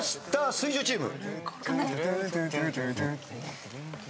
水１０チーム。